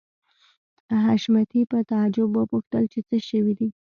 حشمتي په تعجب وپوښتل چې څه شوي دي